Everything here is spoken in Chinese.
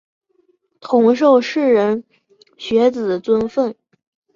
同受士人学子尊奉。